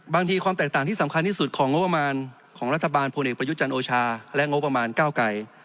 ความแตกต่างที่สำคัญที่สุดของงบประมาณของรัฐบาลพลเอกประยุจันทร์โอชาและงบประมาณเก้าไกร